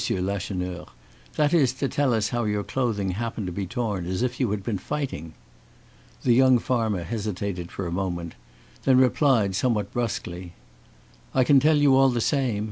Lacheneur; "that is, to tell us how your clothing happened to be torn, as if you had been fighting." The young farmer hesitated for a moment, then replied, somewhat brusquely: "I can tell you, all the same.